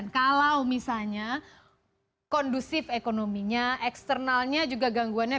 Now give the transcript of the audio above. kalau misalnya kondusif ekonominya eksternalnya juga gangguannya